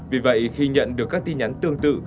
vì vậy khi nhận được các tin nhắn tương tự